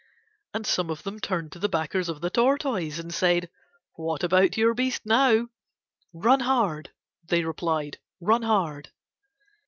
And some of them turned to the backers of the Tortoise and said: "What about your beast now?" "Run hard," they replied. "Run hard."